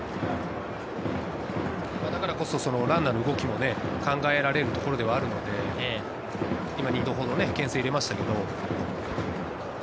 だからこそランナーの動きも考えられるところではあるので、今２度ほどけん制を入れましたけれど。